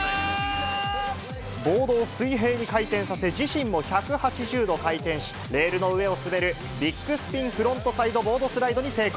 ボードを水平に回転させ、自身も１８０度回転し、レールの上を滑るビッグスピンフロントサイドボードスライドに成功。